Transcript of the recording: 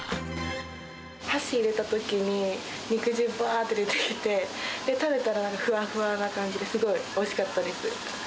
箸を入れたときに、肉汁ぶわーって出てきて、食べたらふわふわな感じで、すごいおいしかったです。